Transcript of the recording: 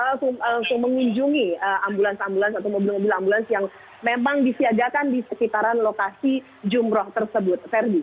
langsung mengunjungi ambulans ambulans atau mobil mobil ambulans yang memang disiagakan di sekitaran lokasi jumroh tersebut